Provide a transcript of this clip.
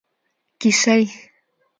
کیسۍ